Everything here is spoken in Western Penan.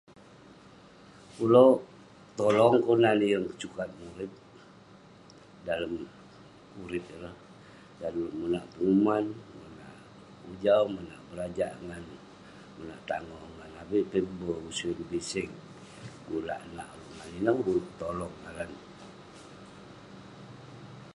Ulouk tolong kelunan yeng sukat murip, dalem urip ireh.. dalem ulouk monak penguman, ujau..monak berajak ngan monak tangoh ngan avik peh be',usen, biseng..gula nak ulouk ngan neh..ineh ulouk tolong ngaran neh.